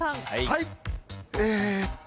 はい。